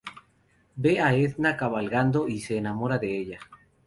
Ve a Edna cabalgando y se enamora de ella.